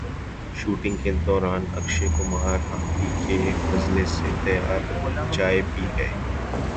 shooting کے دوران اکشے کمار ہاتھی کے فضلے سے تیار چائے پی گئے